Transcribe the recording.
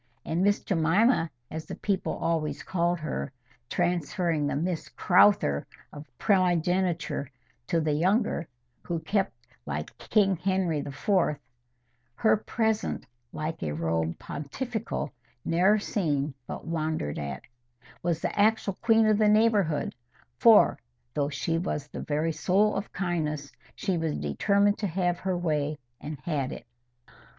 And Miss Jemima, as the people always called her, transferring the MISS CROWTHER of primogeniture to the younger, who kept, like King Henry IV.,— "Her presence, like a robe pontifical, Ne'er seen but wonder'd at," was the actual queen of the neighbourhood; for, though she was the very soul of kindness, she was determined to have her own way, and had it.